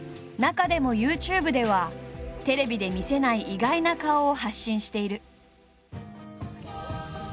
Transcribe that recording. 中でもＹｏｕＴｕｂｅではテレビで見せない意外な顔を発信している。